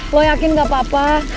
gue yakin gak apa apa